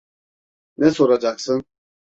Ne soracaksın?